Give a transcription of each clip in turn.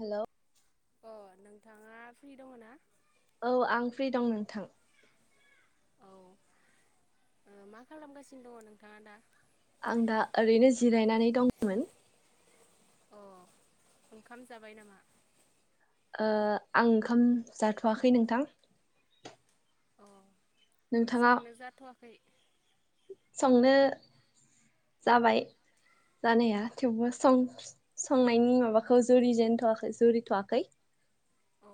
Hello अ नोंथाङा free दङ ना? औ आं फ्रि दं नोंथां। औ मा खालामगासिनो दङ नोंथाङा दा? आं दा ओरैनो जिरायनानै दंमोन। अ ओंखाम जाबाय नामा? ओ आं ओंखाम जाथ'वाखै नोंथां। अ नोंथाङा संनो जाथ'वा [unintelligible] संनो जाबाय जानाया थेवबो सं संनायनि माबाखौ जुरिजेनथ'वाखै जुरिथ'वाखै। अ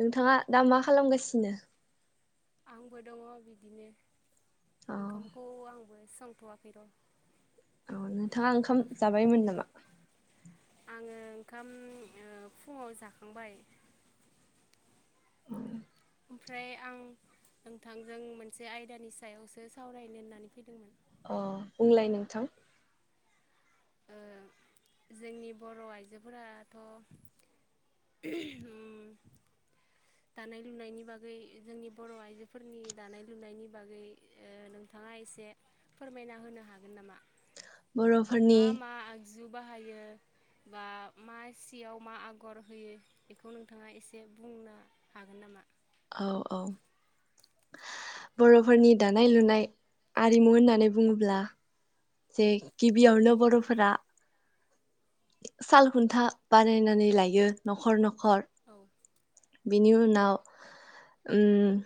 नोंथाङा दा मा खालामगासिनो? आंबो दङ बिदिनो औ ओंखामखौ आंबो सोंथवाखै र औ नोंथाङा ओंखाम जाबायमोन नामा? आङो ओंखाम ओ फुङाव जाखांबाय ओमफ्राय आं नोंथांजों मोनसे आयदानि सायावसो सावरायनो होननानै फैदोंमोन अ बुंलाय नोंथां ओ जोंनि बर' आइजोफोराथ ओम दानाय लुनायनि बागै जोंनि बर' आइजोफोरनि दानाय लुनायनि बागै ओ नोंथाङा एसे फोरमायना होनो हागोन नामा? बर'फोरनि मा मा आगजु बाहायो बा मा सियाव मा आगर होयो बेखौ नोंथाङा एसे बुंना हागोन नामा? औ - औ बर'फोरनि दानाय लुनाय आरिमु होननानै बुङोब्ला जे गिबियावनो बर'फोरा साल खुन्था बानायनानै लायो न'खर न'ख खर औ बिनि उनाव ओम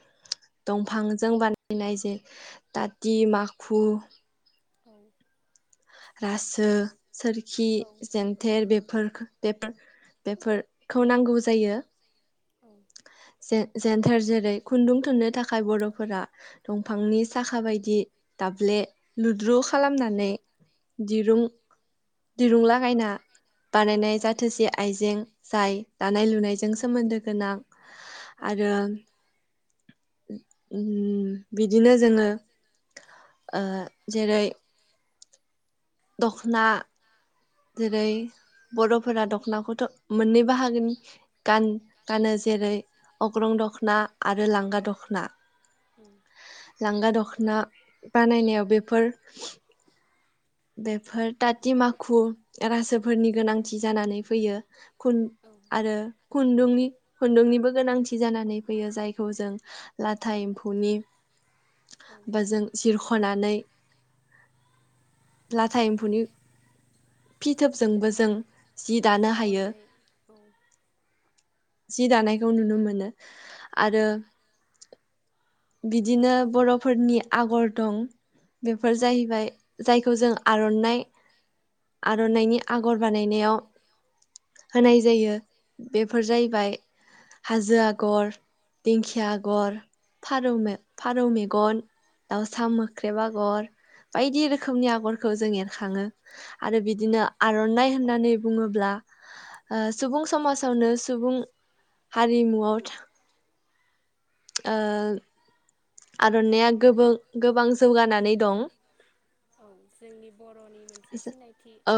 दंफांजों बानायनाय जे ताति माखु औ रासो सोरखि औ जेन्थेर बेफोरखो बेफोर बेफोरखौ नांगौ जायो औ जे जेनथेर जेरै खुन्दुं थुननो थाखाय बर'फोरा दंफांनि साखा बायदि दाब्ले लुद्रु खालामनानै दिरूं दिरुं लागायना बानायनाय जाथोसि आइजें जाय दानाय लुनायजों सोमोन्दो गोनां औ आरो ओम बिदिनो जोङो ओ जेरै दखना जेरै औ बर'फोरा दख दख नाखौथ' मोननै बाहागोनि गान गानो जेरै अग्रं दख'ना आरो लांगा दख ख्ना उम लांगा दख ना बानायनायाव बेफोर बेफोर ताटि माखु रासोफोरनि गोनांथि जानानै फैयो खुन उम आरो खुन्दुंनि खुन्दुंनिबो गोनांथि जानानै फैयो जायखौ जों लाथा एम्फौनि औ होमबा जों जिरख' बख'नानै लाथा एम्फौनि फिथोबजोंबो जों जि दानो हायो सिरख'नानै औ जि दानायखौ नुनो मोनो आरो बिदिनो बर'फोरनि आगर दं बेफोर औ जाहैबाय जायखौ जों आर'नाइ आर'नाइनि औ आगर बानायनायाव होनाय जायो बेफोर जाहैबाय हाजो आगर दिंखिया आगर फारौ मे फारौ मेगन दाउसा मोख्रेब आगर बायदि रोखोमनि आगरखौ जों एर खाङो आरो बिदिनो आर'नाइ होननानै बुङोब्ला ओ सुबुं समाजावनो सुबुं हारिमुआव ओ आर'नाइआ गोबों -गोबां जौगानानै दं औ जोंनि बर'नि मोनसे सिनायथि औ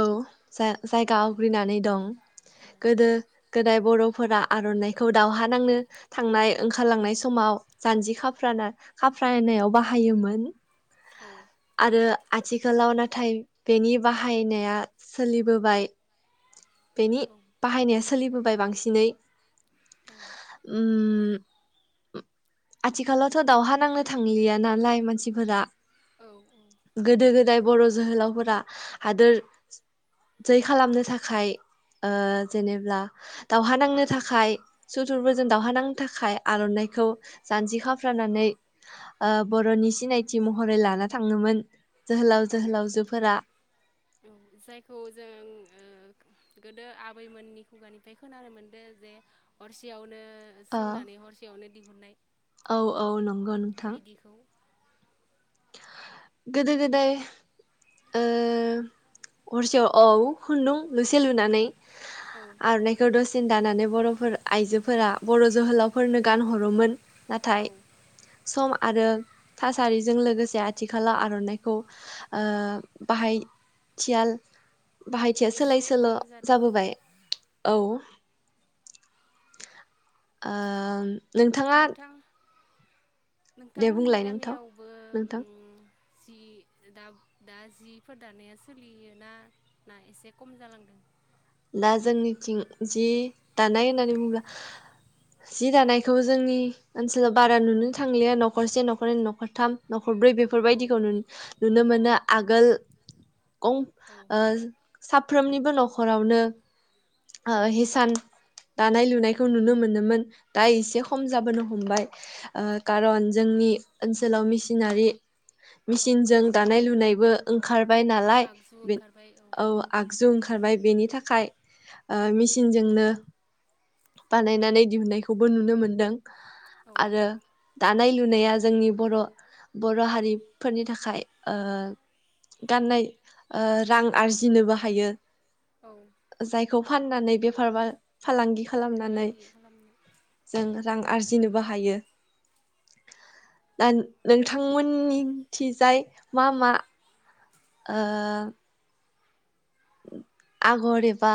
जा जायगा आवग्रिनानै दं औ गोदो गोदाय बर'फोरा आर'नाइखौ दावहा नांनो थांनाय ओंखारलांनाय समाव जानजि खाफ्राना खाफ्रानायाव बाहायोमोन औ आरो आथिखालाव नाथाय बेनि बाहायनाया सोलिबोबाय बेनि औ बाहायनाया सोलिबोबाय बांसिनै उम आथिखालावथ' दावहा नांनो थांलिया नालाय मानसिफोरा औ गोदो गोदाय बर' जोहोलावफोर फ्रा हादोर जै खालामनो थाखाय ओ जेनेब्ला दावहा नांनो आरो थाखाय सुथुरफोरजों दावहा नांनो थाखाय आर'नाइखौ जानजि खाफ्रानानै ओ बर'नि सिनायथि महरै लाना थाङोमोन जोहोलाव औ जोहोलावजोफोरा औ जायखौ जों ओ गोदो आबैमोननि खुगानिफ्राय खोनानो मोनदों जे हरसेयावनो नो ओ सोंनानै हरसेयावनो दिहुननाय औ औ नंगौ नोंथां बिदिखौ गोदो गोदाय ओ हरसेयाव औ खुन्दुं लुसे लुनानै औ आर'नाइखौ दसे सिन दानानै बर'फोर आइजोफोरा बर' जोहोलावफोरनो गानहो हरोमोन औ नाथाय सम आरो थासारि जों लोगोसे आथिखालआव आर'नाइखौ ओ बाहाय थियाल बाहायथिआ सोलाय एसे सोल' खम जादों जाबोबाय औ आम नोंथांआ नोंथां नोंथांमोननि गामिआवबो नोंथां उम जि दा दा जिफोर दानाया सोलियोना ना एसे खम जालांदों दा जोंनिथिं जि दानाय होननानै बुङोब्ला हो जि दानायखौ जोंनि ओनसोलाव बारा नुनो थांलिया न'खरसे न'खर नै न'खरथाम न खरब्रै बेफोर औ बायदिखौ नुनो मोनो आगोल गंक औ ओ साफ्रोमनिबो बो नखराव आवनो ओ औ हिसान दानाय लुनायखौ नुनो मोनोमोन हो दा एसे खम जाबोनो हमबाय ओ खारन जोंनि ओनसोलाव मेसिनारि औ मिसिनजों दानाय लुनायबो ओंखार बायनालाय आगजु बेनि ओंखारबाय औ आगजु ओंखारबाय बेनि नि थाखाय ओ मेसिनजोंनो बानायनानै दिहुननायखौबो नुनो मोनदों औ आरो दा दानाय लुनाया जोंनि बर' बर' हारिफोरनि थाखाय ओ गाननाय ओ रां आरजिनोबो हायो औ खौ फाननानै बेफार बा फालांगि खालामनानै फालांगि खालामनो जों रां आरजि आरजिनोबो हायो दा नोंथांमोननिथिजाय मा मा ओ उम आगर एबा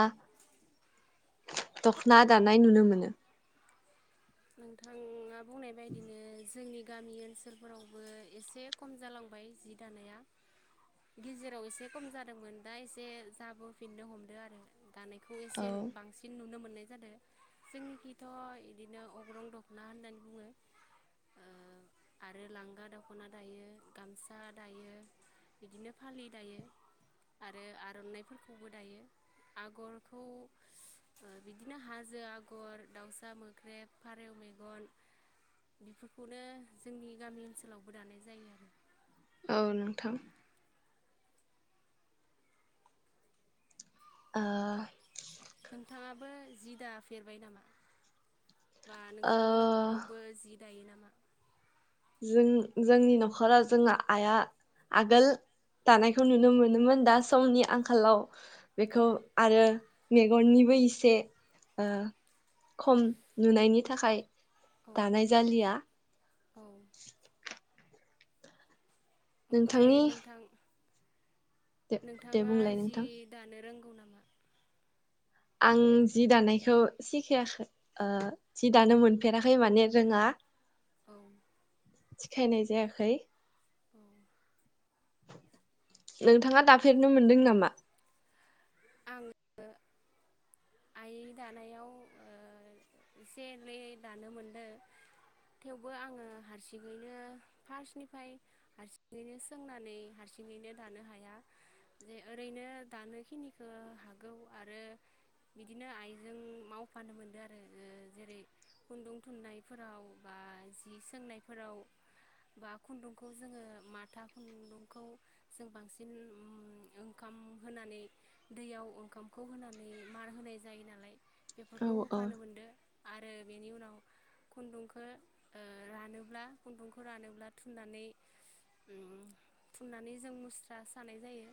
दखना दानाय नुनो मोनो नोंथांआ बुंनाय बायदिनो जोंनि गामि ओनसोलफोरावबो एसे खम जालांबाय जि दानाया गेजेराव एसे खम जादोंमोन दा एसे जाबोफिननो हमदो आरो दानाय फुंनि औ सिम बांसिन नुनो मो ननाय जादों जोंनिखिथ' इदिनो अग्रं दख'ना होननानै बुङो आरो ओ लांगा दख'ना दायो गामसा दायो बिदिनो फालि दायो आरो आर'नाइफोरखौबो दायो आगरखौ बिदिनो हाजो आगर दाउसा मोख्रेब फारेव मेगन बेफोरखौनो जोंनि गामि ओनसोलावबो दानाय जायो आरो औ नोंथां ओ नोंथाङाबो जि दाफेरबाय नामा? बा ओ नोंथांनि न'खरावबो जि दायो नामा? जों जोंनि न'खराव जोंहा आइया आगोल दानायखौ नुनो मोनोमोन दा समनि आंखालाव औ बेखौ आरो मेगननिबो एसे ओ खम नुनायनि थाखाय औ दानाय जालिया औ [inaudible] नोंथांनि ओमफ्राय नोंथां दे दे नोंथाङा बुंलाय जि नोंथां दानो रों आं जि दानायखौ सिखायाखै जि दानो मोनफेराखै माने रोङा औ सिखायनाय जायाखै औ नोंथाङा दाफेरनो मोनदों नामा? आङो आइ दानायाव ओ एसे एनै दानो मोनदो थेवबो आङो हारसिङैनो फार्स्टनिफ्राय हारसिङैनो सोंनानै हारसिङैनो दानो हाया जे ओरैनो दानोखिनिखौ हागौ आरो बिदिनो आइजों मावफानो मोनदों आरो जेरै खुन्दुं थुननायफोराव बा जि सोंनायफोराव बा खुन्दुंखौ जोङो माथा खुन्दुंखौ जों बांसिन उम ओंखाम होनानै दैयाव ओंखामखौ होनानै मार होनाय जायो नालाय औ बेफोरखौ औ होफानो मोनदो आरो बेनि उनाव खुनदुंखौ ओ रानोब्ला खुनदुंखौ रानोब्ला थुननानै उम थुननानै जों मुस्रा सानाय जायो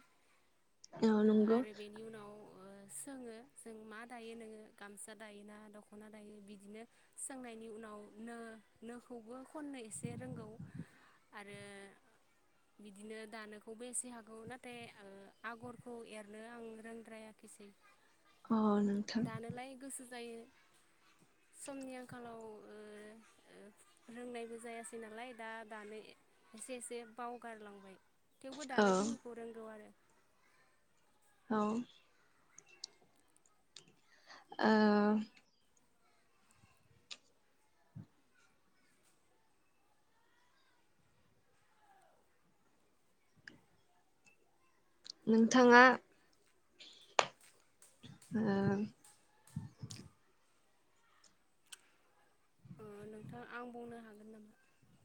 औ ओ नंगौ आरो बेनि उनाव ओ सोङो जों मा दायो नोङो गामसा दायोना दख'ना दायो बिदिनो सोंनायनि उनाव नो नोखौबो खननो एसे रोंगौ आरो बिदिनो दानोखौबो एसे हागौ नाथाय ओ आगरखौ एरनो आं रोंद्रायाखिसै अ नोंथां दानोलाय गोसो जायो समनि आंखालाव ओ रोंनायबो ओ जायासै नालाय दा दानो एसे एसे बावगारलांबाय थेवबो औ दानोखिनिखौ रोंगौ आरो औ ओ नोंथाङा ओ ओ नोंथां आं बुंनो हागोन नामा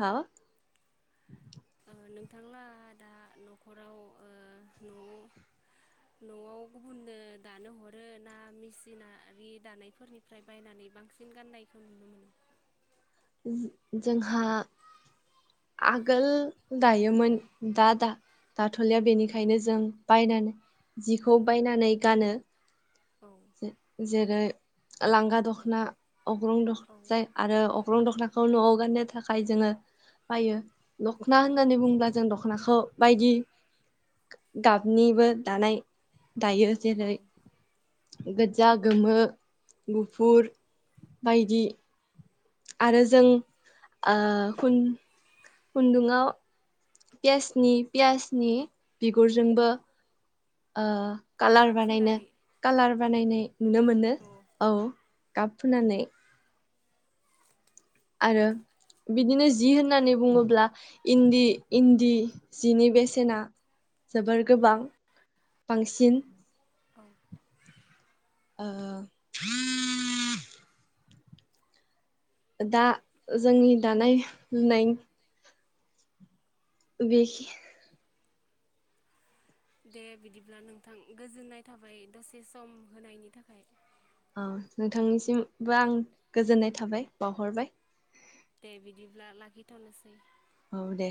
हो ओ नोंथाङा दा न'खराव ओ न'आव न'आव गुबुननो दानो हरो ना मेसिनारि दानायफोरनिफ्राय बायनानै बांसिन गाननायखौ नुनो मोनो ओम जोंहा आगोल दायोमोन दा दा दाथ'लिया बेनिखायनो जों बायनानै जिखौ बायनानै गानो जे जेरै लांगा दख्ना अग्रं दख जाय आरो अ दख'नाखौ न'आव गाननो थाखाय जोङो बायो दख'ना औ होननानै बुंङोब्ला जों दख'नाखौ बायदि गाबनिबो दानाय दायो औ जेरै गोजजा गोमो औ गुफुर बायदि आरो जों ओ खुन खुन्दुङाव पियासनि पियासनि बिगुरजोंबो ओ कालार गाब बानायनो फुननानै कालार बानायनाय नुनो मोनो औ गाब फुनानै आरो बिदिनो जि होननानै बुङोब्ला इनदि इनदि जिनि बेसेना जोबोर औ गोबां बांसिन औ ओ दा जोंनि दानाय लुनाय बेखि दे बिदिब्ला नोंथां गोजोननाय थाबाय दसे सम होनायनि थाखाय औ नोंथांनिसिमबो आं गोजोननाय थाबाय बावहरबाय दे बिदिब्ला लाखिथ'नोसै औ दे